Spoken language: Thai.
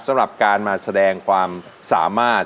สำหรับการมาแสดงความสามารถ